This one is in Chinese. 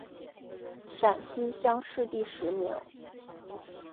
陕西乡试第十名。